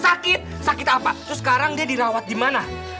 sakit sakit apa terus sekarang dia dirawat dimana